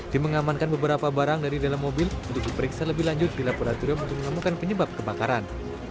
tim mengamankan beberapa barang dari dalam mobil untuk diperiksa lebih lanjut di laboratorium untuk menemukan penyebab kebakaran